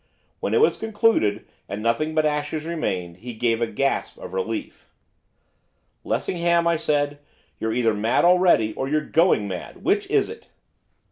When it was concluded, and nothing but ashes remained, he gave a gasp of relief. 'Lessingham,' I said, 'you're either mad already, or you're going mad, which is it?